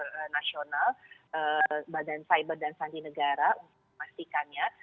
badan nasional badan cyber dan sandi negara untuk memastikannya